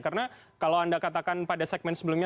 karena kalau anda katakan pada segmen sebelumnya